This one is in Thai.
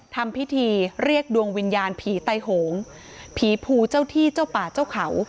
ทำพิธีเรียกดวงวิญญาณผีไตโหงผีภูเจ้าที่เจ้าป่าเจ้าเขา